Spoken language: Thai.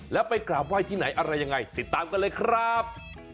แล้วไปกราบไหว้ที่ไหนอะไรยังไงติดตามกันเลยครับ